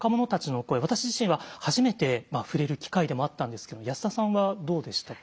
私自身は初めて触れる機会でもあったんですけど安田さんはどうでしたか？